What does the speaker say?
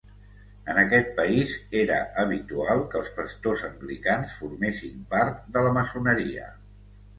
En aquest país era habitual que els pastors anglicans formessin part de la maçoneria.